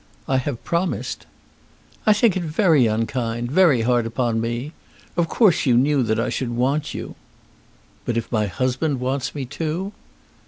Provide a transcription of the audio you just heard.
"I have promised." "I think it very unkind, very hard upon me. Of course you knew that I should want you." "But if my husband wants me too?"